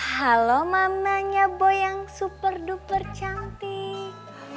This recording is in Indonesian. halo mamanya boy yang super duper cantik